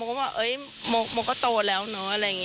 ไม่ได้ห้ามเพราะว่ามกก็ตัวแล้ว